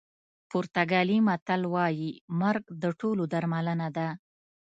پرتګالي متل وایي مرګ د ټولو درملنه ده.